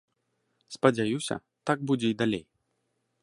Спадзяюся, так будзе і далей.